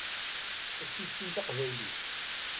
Ad tissin taqbaylit.